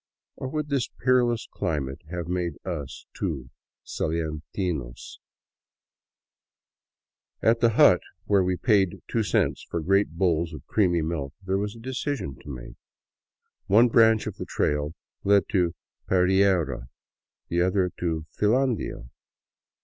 Or would this peerless climate have made us, too, salentinos ? At the hut where we paid two cents for great bowls of creamy milk, there was a decision to make. One branch of the trail led to Pereira, the other to Filandia.